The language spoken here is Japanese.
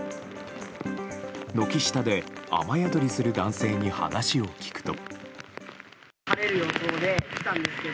軒下で雨宿りする男性に話を聞くと。